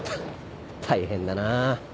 大変だなあ。